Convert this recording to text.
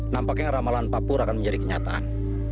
nampaknya ramalan pak pur akan menjadi kenyataan